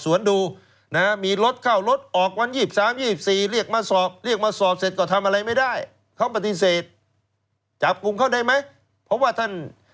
ว่าได้ไหมเพราะว่าท่าน